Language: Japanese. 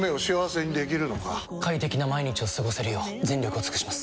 快適な毎日を過ごせるよう全力を尽くします！